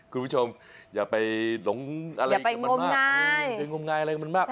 คุณผู้ชมอย่าไปหลงอะไรอย่างนั้นมากอย่าไปงมงายงมงายอะไรอย่างนั้นมาก